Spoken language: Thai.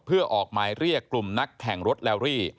เพื่อออกหมายเรียกกลุ่มนักแข่งรถแลรี่